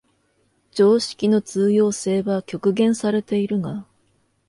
常識の通用性は局限されているが、